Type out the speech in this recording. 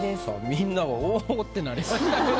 みんなが「おお」ってなりましたけど。